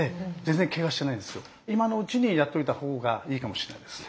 今のうちにやっといたほうがいいかもしれないですね。